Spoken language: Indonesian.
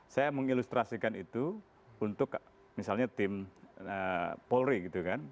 saya mengilustrasikan itu untuk misalnya tim polri gitu kan